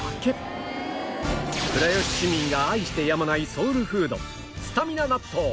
倉吉市民が愛してやまないソウルフードスタミナ納豆